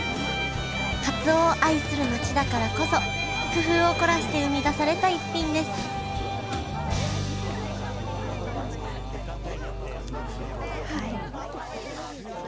かつおを愛する町だからこそ工夫を凝らして生み出された逸品ですいや。